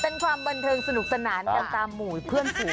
เป็นความบันเทิงสนุกสนานกันตามหมู่เพื่อนฝูง